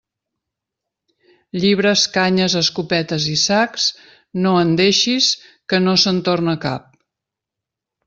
Llibres, canyes, escopetes i sacs, no en deixis, que no se'n torna cap.